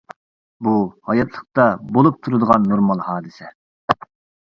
بۇ، ھاياتلىقتا بولۇپ تۇرىدىغان نورمال ھادىسە.